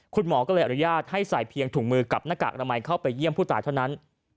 คุณหมอก็เลยอนุญาตให้ใส่เพียงถุงมือกับหน้ากากอนามัยเข้าไปเยี่ยมผู้ตายเท่านั้น